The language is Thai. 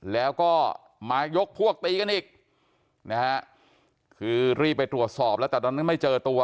แล้วก็มายกพวกตีกันอีกนะฮะคือรีบไปตรวจสอบแล้วแต่ตอนนั้นไม่เจอตัว